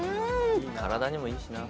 体にもいいしな。